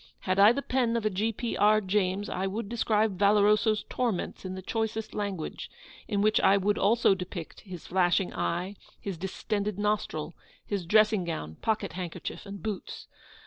Had I the pen of a G. P. R. James, I would describe Valoroso's torments in the choicest language; in which I would also depict his flashing eye, his distended nostril his dressing gown, pocket handkerchief, and boots.